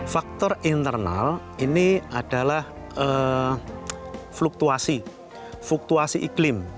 faktor internal ini adalah fluktuasi fluktuasi iklim